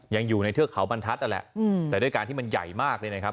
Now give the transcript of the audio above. ยังอยู่ในเทือกเขาบรรทัศน์นั่นแหละแต่ด้วยการที่มันใหญ่มากเลยนะครับ